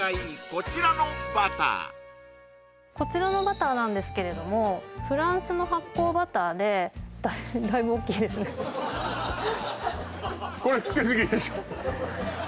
こちらのバターこちらのバターなんですけれどもフランスの発酵バターでだいぶおっきいですねこれつけすぎでしょ？